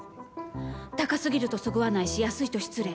高すぎるとそぐわないし安いと失礼。